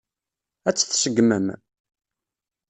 Ad tt-tseggmem?